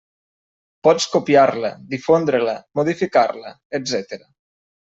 Pots copiar-la, difondre-la, modificar-la, etcètera.